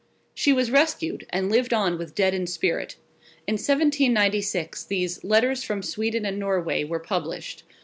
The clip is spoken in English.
She was rescued, and lived on with deadened spirit. In 1796 these "Letters from Sweden and Norway" were published.